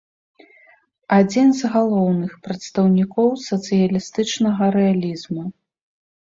Адзін з галоўных прадстаўнікоў сацыялістычнага рэалізму.